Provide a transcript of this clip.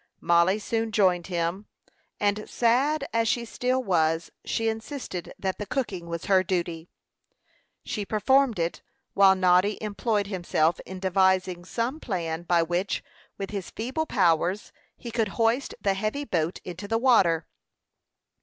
Mollie soon joined him; and sad as she still was, she insisted that the cooking was her duty. She performed it, while Noddy employed himself in devising some plan by which, with his feeble powers, he could hoist the heavy boat into the water.